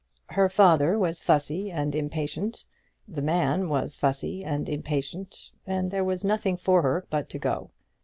Her father was fussy and impatient, the man was fussy and impatient; and there was nothing for her but to go.